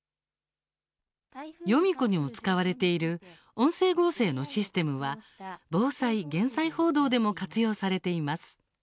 ヨミ子にも使われている音声合成のシステムは防災・減災報道でも活用されています。